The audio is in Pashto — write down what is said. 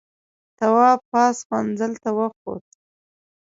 تواب پاس منزل ته وخوت.